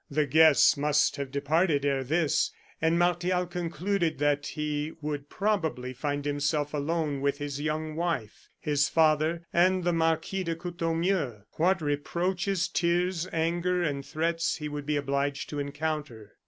The guests must have departed ere this, and Martial concluded that he would probably find himself alone with his young wife, his father, and the Marquis de Courtornieu. What reproaches, tears, anger and threats he would be obliged to encounter.